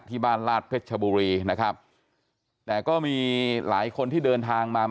ลาดเพชรชบุรีนะครับแต่ก็มีหลายคนที่เดินทางมา